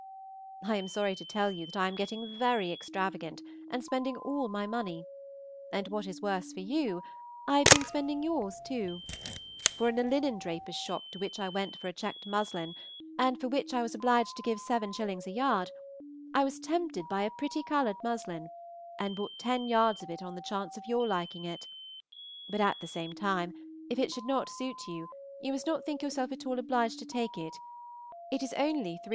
I am sorry to tell you that I am getting very extravagant, and spending all my money, and, what is worse for you, I have been spending yours too; for in a linendraper's shop to which I went for checked muslin, and for which I was obliged to give seven shillings a yard, I was tempted by a pretty colored muslin, and bought ten yards of it on the chance of your liking it; but at the same time, if it should not suit you, you must not think yourself at all obliged to take it; it is only 3_s.